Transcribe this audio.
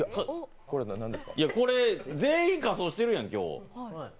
これ、全員仮装してるやん、今日。